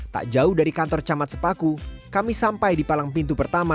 tak jauh dari kantor camat sepaku kami sampai di palang pintu pertama